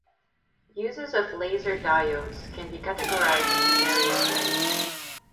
Uses of laser diodes can be categorized in various ways.